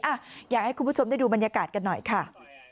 อยากให้คุณผู้ชมได้ดูบรรยากาศกันหน่อยค่ะ